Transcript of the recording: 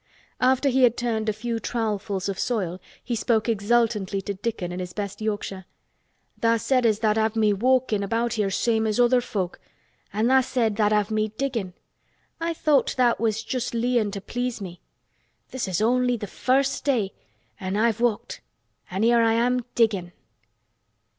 After he had turned a few trowelfuls of soil he spoke exultantly to Dickon in his best Yorkshire. "Tha' said as tha'd have me walkin' about here same as other folk—an' tha' said tha'd have me diggin'. I thowt tha' was just leein' to please me. This is only th' first day an' I've walked—an' here I am diggin'."